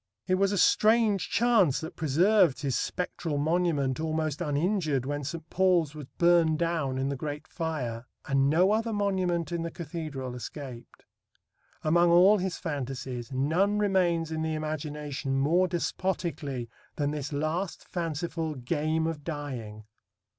It was a strange chance that preserved his spectral monument almost uninjured when St. Paul's was burned down in the Great Fire, and no other monument in the cathedral escaped. Among all his fantasies none remains in the imagination more despotically than this last fanciful game of dying.